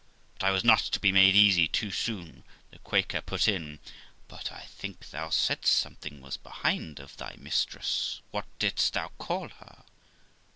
But I was not to be made easy too soon. The Quaker put in, 'But I think thou saidst something was behind of thy mistress; what didst thou call her?